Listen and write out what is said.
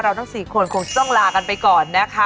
เราทั้งสี่คนคงต้องลากันไปก่อนนะคะ